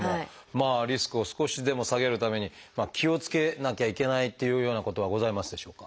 まあリスクを少しでも下げるために気をつけなきゃいけないっていうようなことはございますでしょうか？